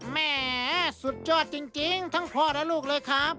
แม่สุดยอดจริงทั้งพ่อและลูกเลยครับ